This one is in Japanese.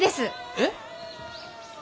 えっ？